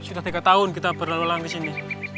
sudah tiga tahun kita berlalu lalang di sini